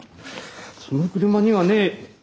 その車にはね